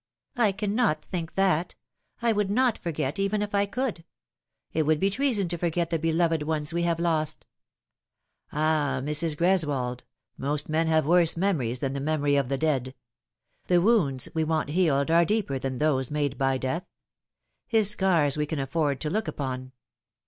" I cannot think that. I would not forget, even if I could. It would be treason to forget the beloved ones we have lost." " Ah, Mrs. Greswold, most men have worse memories than the memory of the dead. The wounds k we want healed are There is always the Skeleton. 89 deeper than those made by Death ; his scars we can afford to look upon.